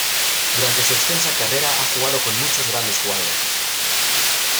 Durante su extensa carrera ha jugado con muchos grandes jugadores.